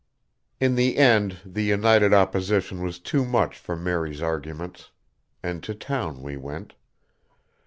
In the end the united opposition was too much for Mary's arguments, and to town we went.